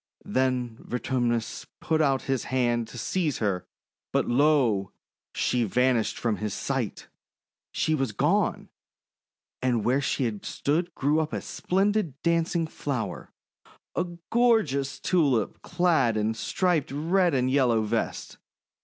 Then Vertumnus put out his hand to seize her, but, lo! she vanished from his sight! She was gone! and where she had stood grew up a splen did dancing flower — a gorgeous Tulip clad in a striped red and yellow vest.